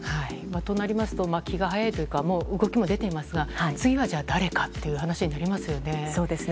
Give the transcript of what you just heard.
となりますと、気が早いというか、もう動きも出ていますが、次はじゃあ、誰かっていう話になそうですね。